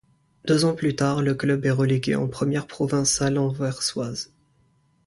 Deux ans plus tard, le club est relégué en première provinciale anversoise.